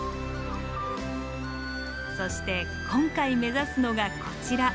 そして今回目指すのがこちら。